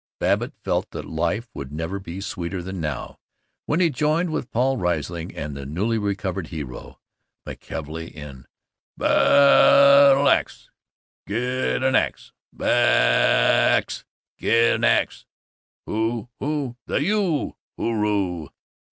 Babbitt felt that life would never be sweeter than now, when he joined with Paul Riesling and the newly recovered hero, McKelvey, in: Baaaaaattle ax Get an ax, Bal ax, Get nax, Who, who? The U.! Hooroo!